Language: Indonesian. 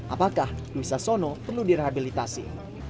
apakah dwi sasono perlu direhabilitasi